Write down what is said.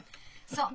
そう。